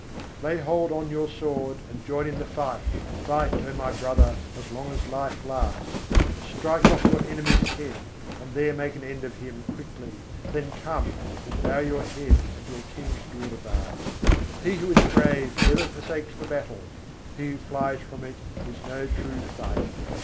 Lay hold on your sword, and join in the fight. Fight, O my brother, as long as life lasts. Strike off your enemy's head, and there make an end of him quickly: then come, and bow your head at your King's Durbar. He who is brave, never forsakes the battle: he who flies from it is no true fighter.